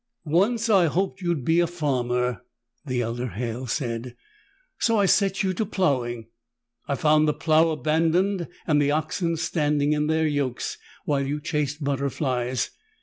"Once I hoped you would be a farmer," the elder Halle said, "so I set you to plowing. I found the plow abandoned and the oxen standing in their yokes while you chased butterflies.